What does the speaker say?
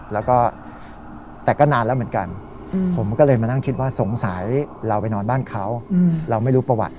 แล้วก็แต่ก็นานแล้วเหมือนกันผมก็เลยมานั่งคิดว่าสงสัยเราไปนอนบ้านเขาเราไม่รู้ประวัติ